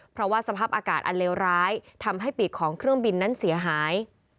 เพราะว่าสภาพอากาศอันเลวร้ายทำให้ปีกของเครื่องบินนั้นเสียหาย